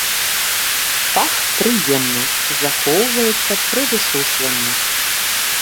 Пах прыемны, захоўваецца пры высушванні.